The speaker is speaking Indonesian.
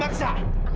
kalau gitu aku maksa